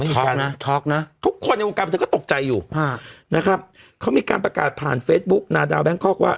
เหตุการณ์นะทุกคนในวงการบันเทิงก็ตกใจอยู่นะครับเขามีการประกาศผ่านเฟซบุ๊กนาดาวแบงคอกว่า